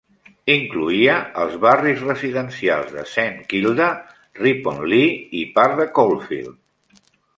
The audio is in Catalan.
Incloïa els barris residencials de Saint Kilda, Ripponlea i part de Caulfield.